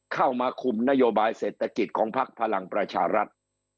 เข้ามาคุมนโยบายเศรษฐกิจของพักพลังประชารัฐ